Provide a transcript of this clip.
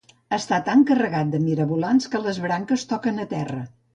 Està tan carregat de mirabolans que les branques toquen a terra